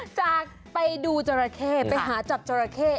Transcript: จากไปดูจราเข้ไปหาจับจราเข้